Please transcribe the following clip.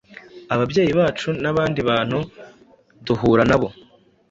ababyeyi bacu n’abandi bantu duhura na bo.